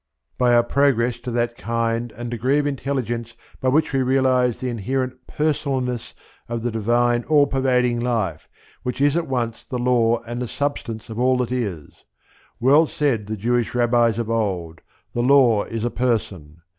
By our progress to that kind and degree of intelligence by which we realize the inherent personalness of the divine all pervading Life, which is at once the Law and the Substance of all that is. Well said the Jewish rabbis of old, "The Law is a Person."